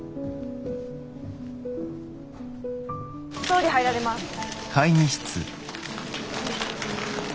総理入られます。